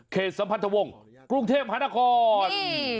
เขตสัมพันธวงกรุงเทพธรรมฮานาคอร์